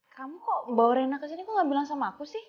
kamu kok bawa rena kesini kok gak bilang sama aku sih